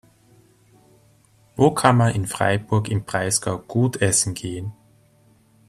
Wo kann man in Freiburg im Breisgau gut essen gehen?